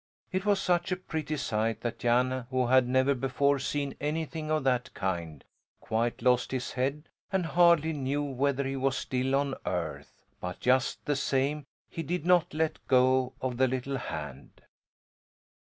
It was such a pretty sight that Jan, who had never before seen anything of that kind, quite lost his head and hardly knew whether he was still on earth; but just the same he did not let go of the little hand.